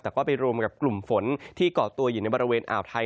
แต่ก็ไปรวมกับกลุ่มฝนที่เกาะตัวอยู่ในบริเวณอ่าวไทย